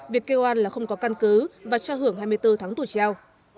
việc kêu an là không có căn cứ và cho hưởng hai mươi bốn tháng tù treo